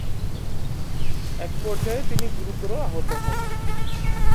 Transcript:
একপর্যায়ে তিনি গুরুতর আহত হন।